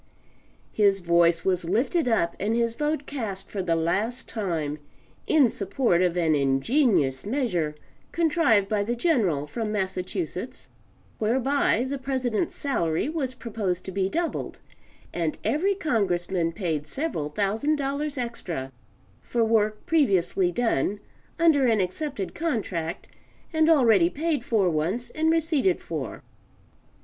His voice was lifted up and his vote cast for the last time, in support of an ingenious measure contrived by the General from Massachusetts whereby the President's salary was proposed to be doubled and every Congressman paid several thousand dollars extra for work previously done, under an accepted contract, and already paid for once and receipted for.